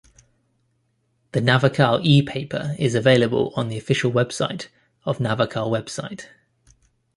The Navakal ePaper is available on the official website of Navakal website.